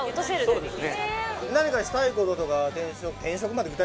そうですね。